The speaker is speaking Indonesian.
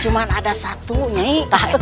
cuma ada satu nyai